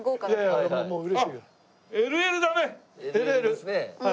ＬＬですね。